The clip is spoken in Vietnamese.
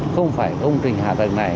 không phải công trình hạ tầng này